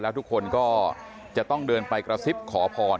ทุกคนก็จะต้องเดินไปกระซิบขอพร